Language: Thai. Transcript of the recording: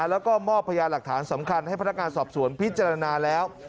แล้วก็มอบพยาหลักฐานสำคัญให้พนักงานสอบสวนพิจารณาแล้ว